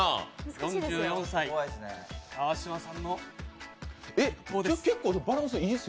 ４４歳・川島さんです。